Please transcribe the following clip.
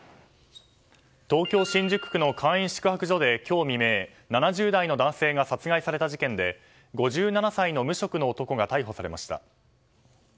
東京・新宿区の簡易宿泊所で今日未明７０代の男性が殺害された事件で５７歳の無職の男が逮捕されました。